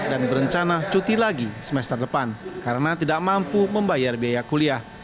dan berencana cuti lagi semester depan karena tidak mampu membayar biaya kuliah